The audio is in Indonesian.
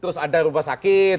terus ada rupa sakit